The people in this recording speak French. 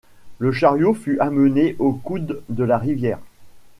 Le chariot fut amené au coude de la rivière.